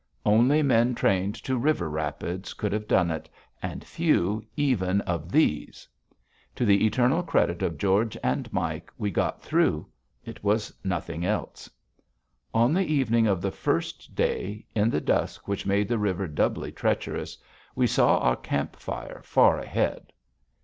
Only men trained to river rapids could have done it, and few, even, of these. To the eternal credit of George and Mike, we got through. It was nothing else. On the evening of the first day, in the dusk which made the river doubly treacherous, we saw our camp fire far ahead.